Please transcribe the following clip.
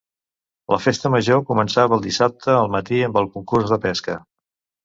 La Festa Major començava el dissabte al matí amb el concurs de pesca.